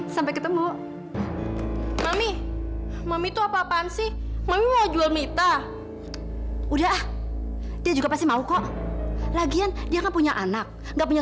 sampai jumpa di video selanjutnya